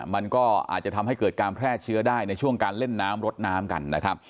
มันก็อาจจะทำให้เกิดการแพร่เชื้อได้ในช่วงการเล่นน้ำรดน้ำกันนะครับ